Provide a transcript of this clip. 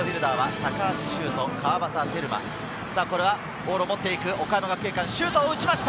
ボールを持っていく岡山学芸館、シュートを打ちました。